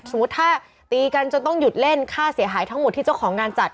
สมมุติถ้าตีกันจนต้องหยุดเล่นค่าเสียหายทั้งหมดที่เจ้าของงานจัด